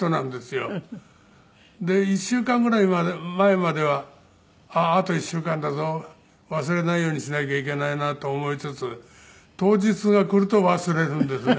で１週間ぐらい前まではあと１週間だぞ忘れないようにしなきゃいけないなと思いつつ当日が来ると忘れるんですね。